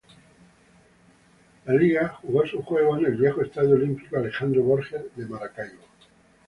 La liga jugó sus juegos en el viejo estadio olímpico "Alejandro Borges" de Maracaibo.